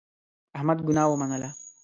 احمد ګناه ومنله.